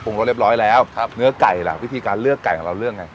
รสเรียบร้อยแล้วครับเนื้อไก่ล่ะวิธีการเลือกไก่ของเราเลือกไง